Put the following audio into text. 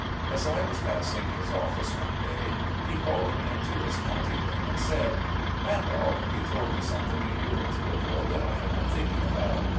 As I was passing his office one day, he called me into his counting room, and said —" Randolph, you told me something a year or two ago that I have been thinking about."